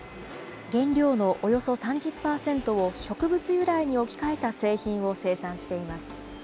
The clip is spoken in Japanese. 原料のおよそ３０％を植物由来に置き換えた製品を生産しています。